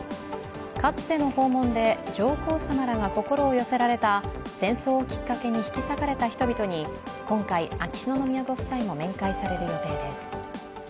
かつての訪問で上皇さまらが心を寄せられた戦争をきっかけに引き裂かれた人々に今回、秋篠宮ご夫妻も面会される予定です。